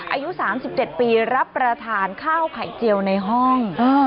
อายุ๓๗ปีรับประทานข้าวไข่เจียวในห้อง